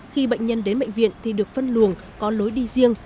khi bệnh nhân đến bệnh viện thì được phân luồng có lối đi riêng